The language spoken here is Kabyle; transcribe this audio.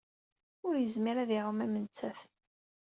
Ur yezmir ad iɛum am nettat.